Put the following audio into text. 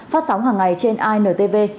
phát sóng hàng ngày trên intv